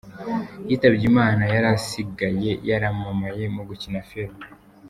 Yitabye Imana yari asigaye yaramamaye mugukina filime.